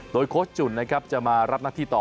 โดยโค้ชจุ่นนะครับจะมารับหน้าที่ต่อ